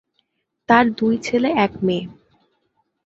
তার দুই ছেলে এক মেয়ে।